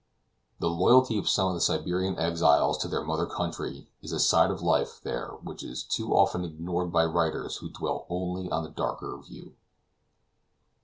The loyalty of some of the Siberian exiles to their mother country is a side of life there which is too often ignored by writers who dwell only on the darker view.